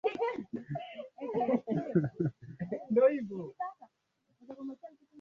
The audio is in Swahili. Nyumbu Maelfu ya nyumbu ambao huwa kivutio kikubwa cha watalii